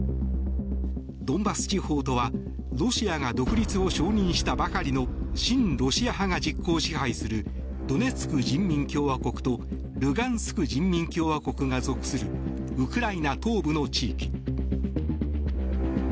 ドンバス地方とはロシアが独立を承認したばかりの親ロシア派が実効支配するドネツク人民共和国とルガンスク人民共和国が属するウクライナ東部の地域。